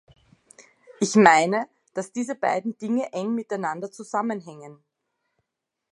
Ich meine, dass diese beiden Dinge eng miteinander zusammenhängen.